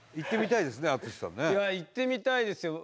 いや行ってみたいですよ。